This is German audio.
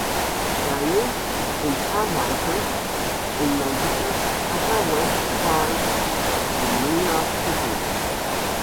Er lebt und arbeitet in Manhattans Upper West Side in New York City.